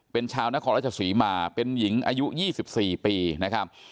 เป็นชาวนครราชสุริมากเป็นหญิงอายุยี่สิบสี่ปีนะครับ